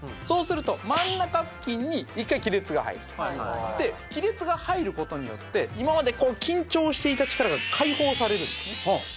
そうすると真ん中付近に１回亀裂が入るで亀裂が入ることによって今まで緊張していた力が解放されるんですね